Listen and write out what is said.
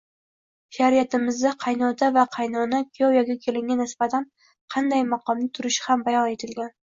Shariatimizda qaynota va qaynona kuyov yoki kelinga nisbatan qanday maqomda turishi ham bayon etilgan